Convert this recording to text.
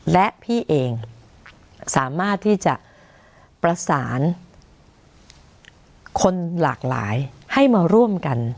และพี่เองสามารถที่จะประสานคนหลากหลายให้มาร่วมกัน